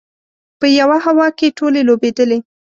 په یوه هوا کې ټولې لوبېدلې.